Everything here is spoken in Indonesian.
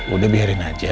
udah biarin aja